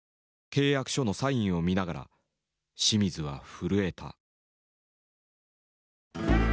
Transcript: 契約書のサインを見ながら清水は震えた。